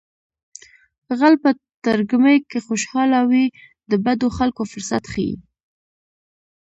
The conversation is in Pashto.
غل په ترږمۍ کې خوشحاله وي د بدو خلکو فرصت ښيي